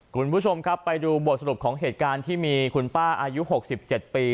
คุณผู้ชมครับไปดูบทสรุปของเหตุการณ์ที่มีคุณป้าอายุ๖๗ปี